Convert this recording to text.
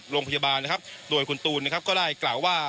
โรงพยาบาลนะครับโดยคุณตูนนะครับก็ได้กล่าวว่า